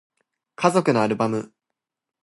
家族のアルバム